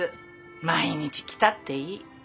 毎日来たっていい。